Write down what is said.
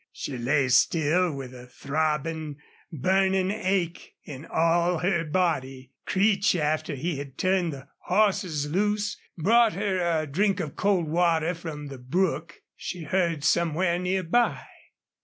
She lay still with a throbbing, burning ache in all her body. Creech, after he had turned the horses loose, brought her a drink of cold water from the brook she heard somewhere near by.